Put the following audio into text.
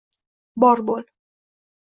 bor bo’l